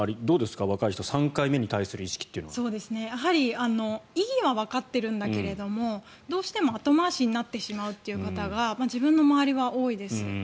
どうですか、若い人３回目に対する意識というのは。意義はわかってるんだけどどうしても後回しになってしまうという人が自分の周りは多いです。